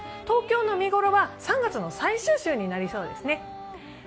東京の見頃は３月の最終週になりそうですね。